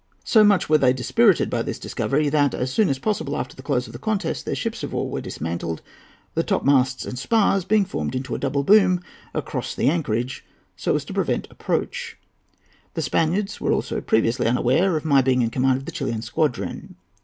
So much were they dispirited by this discovery that, as soon as possible after the close of the contest, their ships of war were dismantled, the topmasts and spars being formed into a double boom across the anchorage, so as to prevent approach. The Spaniards were also previously unaware of my being in command of the Chilian squadron.